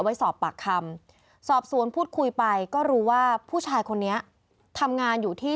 ไว้สอบปากคำสอบสวนพูดคุยไปก็รู้ว่าผู้ชายคนนี้ทำงานอยู่ที่